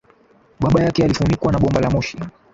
baba yake alifunikwa na bomba la moshi